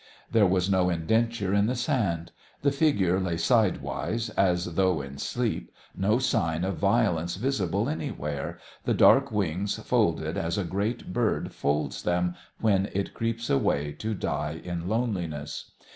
There was no indenture in the sand. The figure lay sidewise as though in sleep, no sign of violence visible anywhere, the dark wings folded as a great bird folds them when it creeps away to die in loneliness.